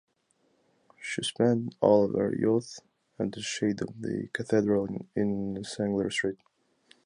She spent all of her youth at the shade of the cathedral in Sanglier street.